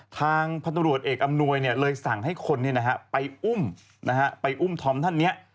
ทางพันธุรกิจเอกอำนวยเลยสั่งให้คนไปอุ้มไปอุ้มธอมท่านนี้